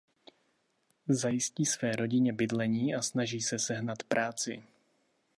Zajistí své rodině bydlení a snaží se sehnat práci.